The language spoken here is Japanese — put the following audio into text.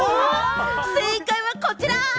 正解はこちら！